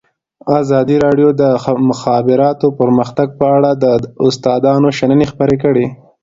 ازادي راډیو د د مخابراتو پرمختګ په اړه د استادانو شننې خپرې کړي.